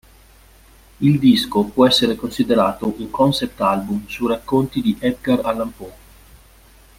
Il disco può essere considerato un concept album sui racconti di Edgar Allan Poe.